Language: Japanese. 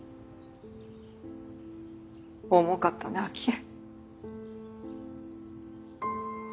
重かったね亜希恵。